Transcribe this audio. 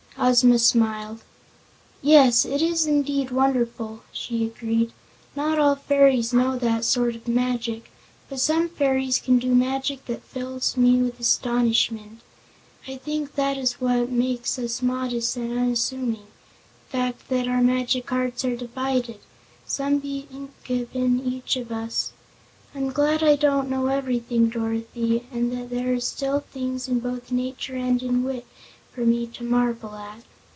Ozma smiled. "Yes, it is indeed wonderful," she agreed. "Not all fairies know that sort of magic, but some fairies can do magic that fills me with astonishment. I think that is what makes us modest and unassuming the fact that our magic arts are divided, some being given each of us. I'm glad I don't know everything, Dorothy, and that there still are things in both nature and in wit for me to marvel at."